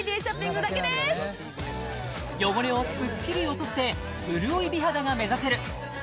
汚れをスッキリ落として潤い美肌が目指せる